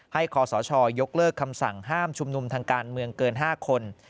คอสชยกเลิกคำสั่งห้ามชุมนุมทางการเมืองเกิน๕คน